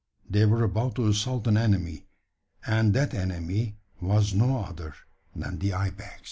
They were about to assault an enemy, and that enemy was no other than the ibex.